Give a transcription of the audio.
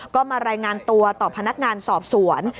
ก็มารายงานตัวต่อพนักงานสอบสวน